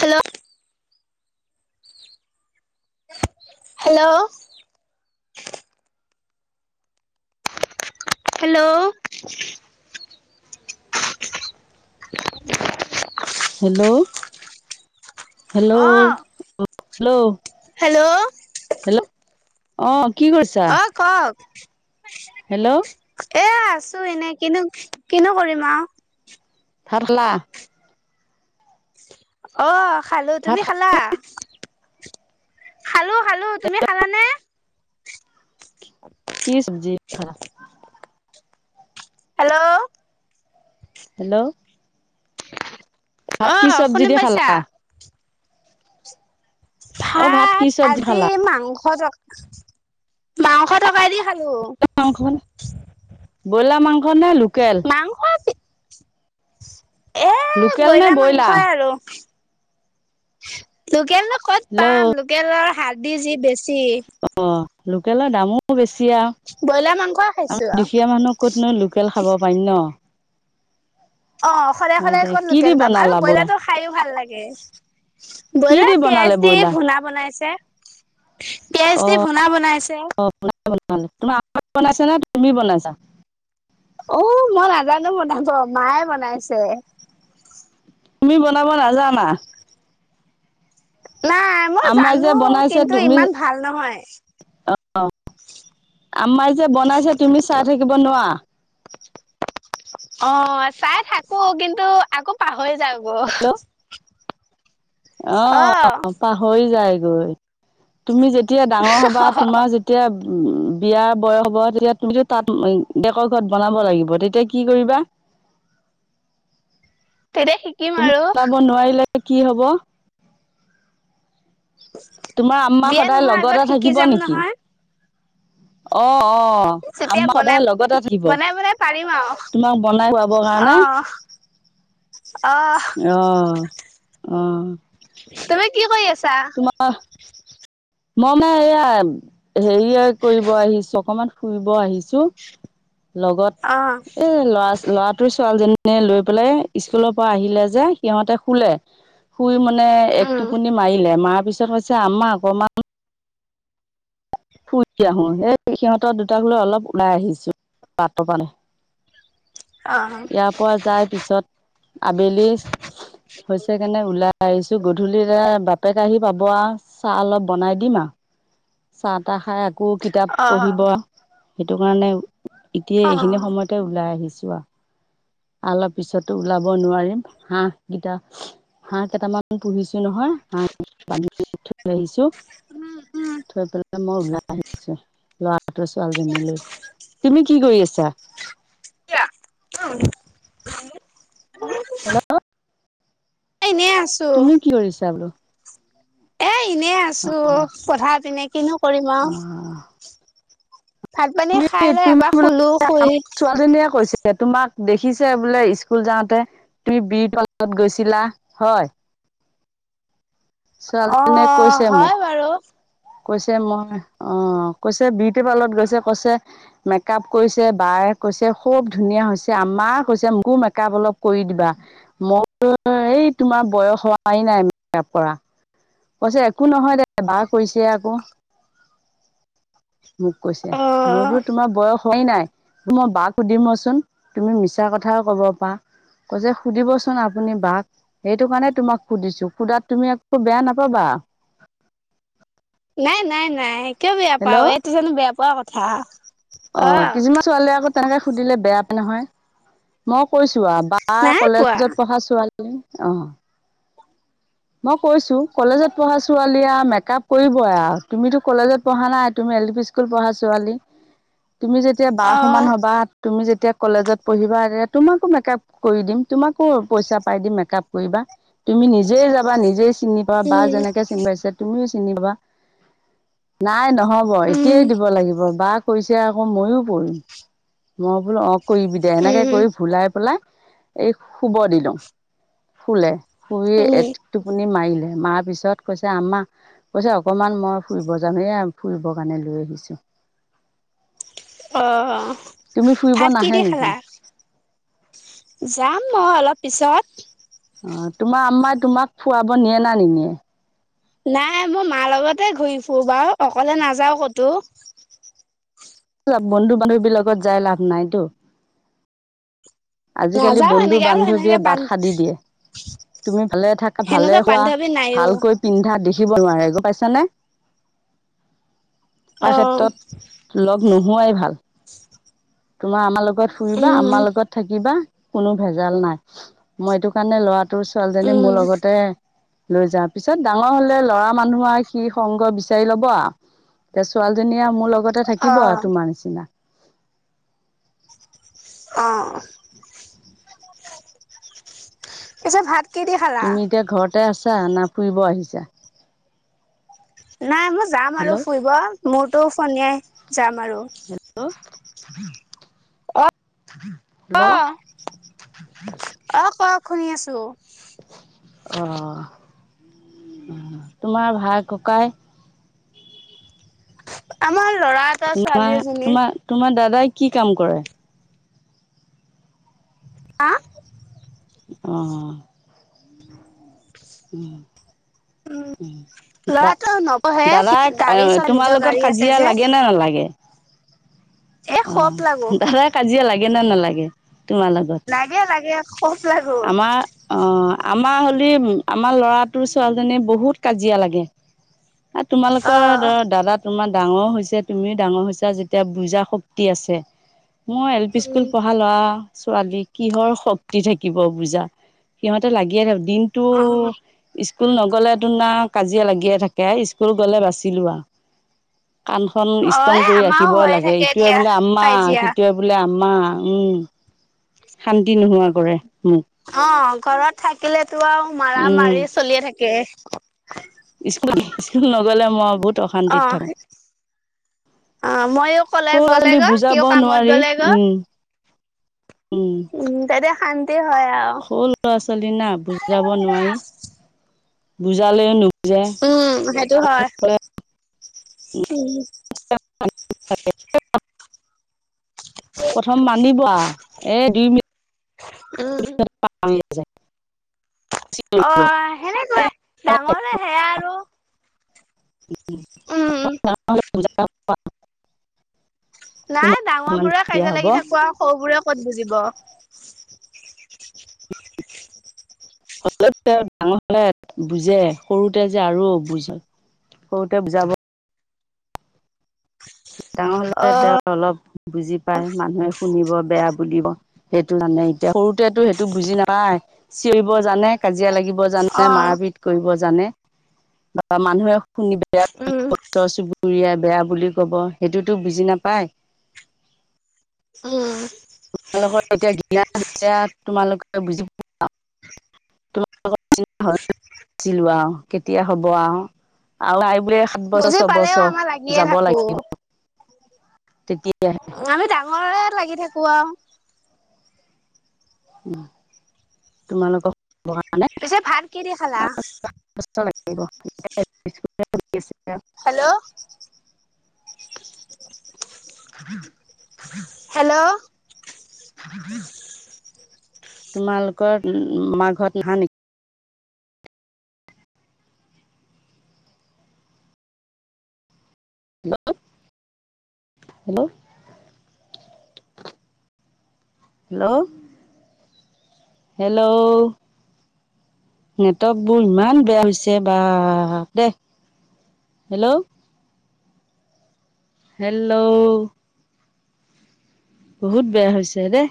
Hello hello hello [unintelligible] hello hello অ', hello hello অ কি কৰিছা অ' কওক। হেল্ল' এ আছো, এনেই কিনো কিনো কৰিম আৰু। ভাত খালা? অ খালো ভাত তুমি খালা? খালো খালো তুমি খালানে কি চব্জি খানা [unintelligible] হেল্ল' হেল্ল' ভাত অ কি চব্জি শুনি দি পাইছা খালা অ ভাত কি চব্জি আজি খালা মাংস শ টক বাৰশ টকাাই দি খালো। ব্ৰইলা মাংস নে লোকেল। মাংস এ লোকেল নে ব্ৰইলাৰ মাংসই আৰু। লোকেল নো ক'ত হেল্ল' পাম, লোকেলৰ হাৰ্দি যি বেছি। অ চিক। লোকেলৰ দামো বেছি। তিয় ব্ৰইলাৰ মাংস খাইছো আমী দুখীয়া মানুহ ক'তনো লোকেল খাব পাৰিম ন। অ, সদায় হয় সদায় দে কত কি দি লোকেল পাম আৰু বনালা ব্ৰইলা ব্ৰইলাৰটো খাইো ভাল লাগে। কি দি ব্ৰইলাৰ বনালে পিয়াজ দি ব্ৰইলাৰ ভূনা বনাইছে। পিয়াজ দি ভুনা বনাইছে। তোমাৰ আমাক বনাইছা নে তুমি বনাইছা? অ মই নাজানো বনাব মায়ে বনাইছে। তুমি বনাব নাজানা? নাই মই আমাই যে জানো বনাইছে কিন্তু তুমি ইমান ভাল নহয় অঁ আমাই যে বনাইছে তুমি চাই থাকিব নোৱাৰা। অ, চাই থাকো কিন্তু আকৌ পাহৰি যাও গৈ। হেল্ল' অ পাহৰি যায় গৈ, তুমি যেতি যেতিয়া ডাঙৰ হ'বা তোমাৰ যেতিয়া উম, বিয়া বয়স হব তেতিয়া তুমিতো তাত ডেকৰ ঘৰত বনাব লাগিব, তেতিয়া কি কৰিবা? তেতিয়া শিকিম তুমি আৰু। বনাব নোৱাৰিলে কি হ'ব। তোমাৰ আম্মা বিয়া সদায় নোহোৱাৰ আগত লগতে শিকি থাকিব যাম নেকি নহয় অ' অ। অ তেতিয়া আমা বনাই সদায় লগতে থাকিব বনাই বনাই পাৰিম আৰু তোমাক বনাই খুৱাব অ কাৰণে। অ অহ অহ। তুমি কি কৰি আছ তোমাৰ মই মানে এয়া হেৰি কৰিব আহিছো অকমান ফুৰিব আহিছো। লগত অ এ ল'ৰা ল'ৰাটোৱে ছোৱালীজনীয়ে লৈ পেলাই স্কুলৰ পৰা আহিলে যে সিহঁতে শুলে, শুই মানে এক উম টোপনি মাৰিলে মাত তাৰপিছত কৈছে আমা অকমান ফুৰি আহো, এই সিহঁতৰ দুটাক লৈ অলপ ওলাই আহিছো। পাতটো কানে অ ইয়াৰ পৰা যাই পিছত আবেলি হৈছে কেনে ওলাই আহিছো গধূলি বাপে বাপেক আহি পাব আৰু চাহ অলপ বনাই দিম আৰু চাহ তাহ খাই একো কিতাপ অ পঢ়িব, সেইটো কাৰণে এতিয় অ এইখিনি সময়তে ওলাই আহিছো। চোৱা। অলপ পিছতো ওলাব নোৱাৰিম হাঁহ কিটা হাঁহ কেইটামান পুহিছো উম উম [inaudible] ওলাই আহিছো লৰাটোকে ছোৱালীজনীলৈ। তুমি কি কৰি আছা? [unintelligible] হেল্ল'। এনে আছো তুমি কি কৰিছা বোলো? এ এনে আছোঁ পথাৰ পিনে। কিনো কৰিম অ আৰু। ভাত তুমি পানী খাই লৈ এবাৰ [unintelligible] শুলো শুই আমাক ছোৱালজনীয়ে কৈছিল। তোমাক দেখিছে বোলে স্কুল যাওঁতে, তুমি বিৰ তলত গৈছিলা হয়। [unintelligible] অ ছোৱালীনীয়ে কৈছে হয় মোক। বাৰু কৈছে মই অ কৈছে বিউটি পাৰ্লাৰত গৈছে কৈছে মেকআপ কৰিছে বাৰ কৈছে খুব ধুনীয়া হৈছে, আমা কৈছে মোকো মেক আপ অলপ কৰি দিবা মই সেই তোমাৰ বয়স হোৱ নাই মেকাপ কৰা কৈছে একো নহয় দে বাৰ কৈছে আকৌ। মোক কৈছে অ মই বোলো তোমাৰ বয়স হয় নাই, মই বাক সুধিম ৰচোন তুমি মিছা কথাও কব পাৰা। ক যে সুধিবচোন আপুনি বাক। সেইটো কাৰণে তোমাক সুধিছো সুধাত তুমি আকৌ বেয়া নাপাবা। [inaudible] নাই, নাই, নাই। কিয় বেয়া পাও হেল্লো' এইটো জানো বেয়া পোৱা কথা অ' কিছুমান ছোৱালীয়ে আকৌ তেনেকে সুধিলে বেয়া নহয়। মই কৈছো আও বা নাই পোৱা কলেজত পঢ়া ছোৱালী অ'। মই কৈছো কলেজত পঢ়া ছোৱালী আও মেকআপ কৰিব আৰু তুমিতো কলেজত পঢ়া নাই। তুমি এল পি স্কুল পঢ়া ছোৱালী। [inaudible] তুমি যেতিয়া বা অ সমান হ'বা। তুমি যেতিয়া যেতিয়া কলেজত পঢ়িবা তোমাকো মেকআপ কৰি দিম তোমাকো পইচা পাই দিম মেকআপ কৰিবা। তুমি নি [inaudible] নিজেই চিনি পাবা বা উম যেনেকে চিনি পাইছে তুমিও চিনি পাবা। নাই নহ'ব উম এতিয়াই দিব লাগিব। বা কৈছে আকৌ ময়ো কৰিম। মই বোলো অ কৰিবি দে এনেকে উম কৰি ভুলাই পেলাই এই শুব দিলো শুলে। শুই উম এত টোপুনি মাৰিলে। মাৰ পিছত কৈছে আ্ম্মা কৈছে অকমান মই ফুৰিব যাওঁ এয়া ফুৰিব কাৰণে লৈ আহিছো। অ' তুমি ফুৰিব অ'ভাত কি নাহে দি নেকি খালা? যাম মই অলপ পিছত। অ' তোমাৰ আম্মাই তোমাক ফুৱাব নিয়ে নে নিনিয়ে? নাই, মই মাৰ লগতে ঘূৰি ফুৰো বাৰু, অকলে নাযাওঁ ক'তো। লগ বন্ধু বান্ধৱী, লগত যাই লাভ নাইটো। আজিকালি নাযাও বন্ধু সেনেকে আৰু বান্ধৱীয়ে, সেনেকে বাট বান সা দি দিয়ে। তুমি ভালে থাকা, ভালে সেনেকুৱা হোৱা, বান্ধৱী নাইও ভালকৈ পিন্ধা, দে খিব নোৱাৰে গম পাইছা নে? অ এনেক্ষেত্ৰত লগ নোহোৱাই ভাল। তোমাৰ, আম্মাৰ লগত ফুৰিবা, উম আম্মাৰ লগত থাকিবা কোনো ভেজাল নাই। মই এইটো কাৰণে, ল'ৰাটোৰ ছোৱালীজনী উম মোৰ লগতে লৈ যাওঁ। পিছত ডাঙৰ হ'লে ল'ৰা মানুহ, সি সংগ বিচাৰি ল'ব আৰু। এতিয়া ছোৱালীজনীয়ে, মোৰ লগতে অ থাকিব আৰু তোমাৰ নিচিনা। অ। পিছে, ভাত কি দি খালা?। তাতে আছা না, ফুৰিব আহিছা?। নাই, মই যাম আৰু হেল্ল' ফুৰিব। মোৰতো, ফনিয়াই যাম আৰু। [inaudible] অ', অ', ক'ক শুনি আছো। অ', অ', তোমাৰ ভাই ককাই আমাৰ ল'ৰা এটা ছোৱালী এজনী তোমাৰ-তোমাৰ-তোমাৰ, দাদাই কি কাম কৰে? হা? অ। উম, উম। [inaudible] ল'ৰাটো নপঢ়ে দা-দাদা, গাড়ী চলাই তোমাৰ নিজৰ লগত গাড়ী আছে কাজিয়া যে লাগে নে নালাগে?। এ খপ অ', লাগো দাদা কাজিয়া লাগে নে নালাগে? তোমাৰ লগত, লাগে লাগে খপ লাগো আমাৰ অ', আমাৰ হ'লি, আমাৰ ল'ৰাটো ছোৱালীজনী বহুত কাজিয়া লাগে। অ তোমালোকৰ ধৰ দাদা তোমাৰ ডাঙৰ হৈছে, তুমিও ডাঙৰ হৈছা যেতিয়া বুজা শ তি আছে। মোৰ এল পি স্কুল উম পঢ়া লোৱা ছোৱালী, কিহৰ শক্তি থাকিব বুজা। সিহঁতে লাগিয়ে থা দিনটো, অ ইছ স্কুল নগলে তো না', কাজিয়া লাগিয়ে থাকে। স্কুল গলে বাচিলো আৰু। কাণ খন, অ ষ্ট্ৰং এ কৰি আমাৰো ৰাখিবই হৈয়ে লাগে। থাকে ইটোৱে দিয়া বোলে আম্মা, কাজিয়া সিটোৱে বোলে আম্মা, উ, শান্তি নোহোৱা কৰে মোক। অ', ঘৰত থাকিলেতো আৰু, মাৰা-মাৰি চলিয়ে থাকে। স্কুল-স্কুল নগ'লে মই, বহুত অশান্তিত অ থাকো। অ মইও কলেজ সৰু লৰা - গ'লে ছোৱালী গৈ সিও বুজাব কামত নোৱাৰি, গ'লে গৈ উম। উম, তেতি শান সৰু ল'ৰা ছোৱালী না', বুজাব নোৱাৰি, বুজালেও নু উম, সেইটো হয়। [unintelligible] প্ৰথম বান্ধিব আৰু, এই দুই মিনিট। উম। [unintelligible] অ', সেনেকুৱাই, ডাঙৰ হলে সেয়া আৰু উম [unintelligible] নাই, তোমাক ডাঙৰ বোৰে দিয়া কাজিয়া হ'ব লাগি থাকো আৰু, সৰু বোৰে ক'ত বুজিব। [unintelligible] ডাঙৰ হলে বুজে, সৰুতে যে আৰু অবুজ। সৰুতে বুজাব ডাঙৰ হলে, তেওঁ অলপ, বুজি পায় মানুহে শুনিব বেয়া বুলিব, সেইটো জানে এতিয়া, সৰুতেটো সেইটো বুজি নাপাই, চিঞৰিব জানে কাজিয়া লাগিব জানে, অ মাৰ পিত কৰিব জানে। মানুহে ক শুনি বেয়া উম ওচৰ চুবুৰীয়াই বেয়া বুলি কব। সেইটোতো বুজি নাপায়, উম তোমালোকৰ এতিয়া জ্ঞান হৈছে, তোমালোকে বুজি প [unintelligible] ছিলো আৰু কেতিয়া হ'ব আৰু আৰু বো [unintelligible] বজি পালেও আমাৰ লাগিয়ে থাকো। তেতিয়াহে আমি ময়ে লাগি থাকো আৰু, উ। তোমালোক পিছে ভাত কি দি খালা? [unintelligible] হেল্ল'। [unintelligible] হেল্ল'। তোমালোকৰ মাঘত নহা নেকি? Hello hello. হেল্ল' হেল্ল' নেটৱৰ্কবোৰ ইমান বেয়া হৈছে, বা দে, হেল্ল' হেল্ল' বহুত বেয়া হৈছে দেই,